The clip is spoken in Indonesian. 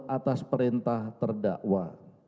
atas perintah terdakwa